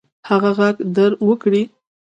هغه ږغ در وکړئ.